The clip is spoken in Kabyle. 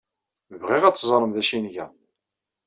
Bɣiɣ ad teẓrem d acu ay nga.